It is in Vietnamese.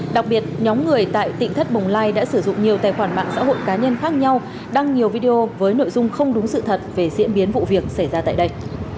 đặc biệt nhóm người tại tỉnh thất bồng lai đã sử dụng nhiều tài khoản mạng xã hội cá nhân khác nhau đăng nhiều video với nội dung không đúng sự thật về diễn biến vụ việc xảy ra tại đây